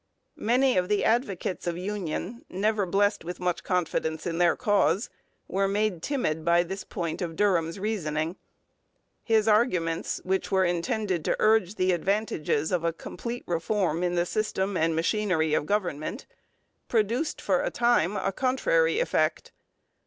Many of the advocates of union, never blessed with much confidence in their cause, were made timid by this point of Durham's reasoning. His arguments, which were intended to urge the advantages of a complete reform in the system and machinery of government, produced for a time a contrary effect.